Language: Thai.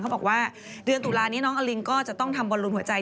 บอกว่าเดือนตุลานี้น้องอลิงก็จะต้องทำบอลลูนหัวใจ